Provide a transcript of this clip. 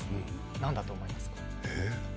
なんだと思いますか？